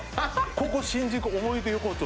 ここ新宿・思い出横丁